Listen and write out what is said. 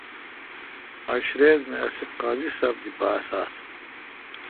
عشریت می اسی قاضی ساب دی باس آس۔